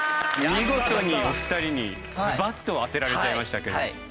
見事にお二人にズバッと当てられちゃいましたけども。